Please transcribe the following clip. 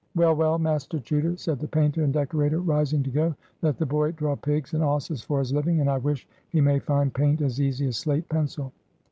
"Well, well, Master Chuter," said the painter and decorator, rising to go, "let the boy draw pigs and osses for his living. And I wish he may find paint as easy as slate pencil."